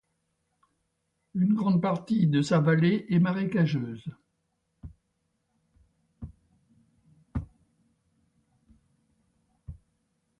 Une grande partie de sa vallée est marécageuse.